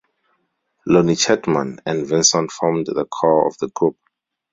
Lonnie Chatmon and Vinson formed the core of the group.